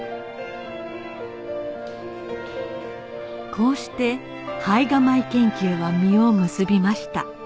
こうして胚芽米研究は実を結びました